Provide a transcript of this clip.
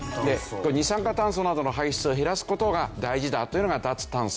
二酸化炭素などの排出を減らす事が大事だというのが脱炭素。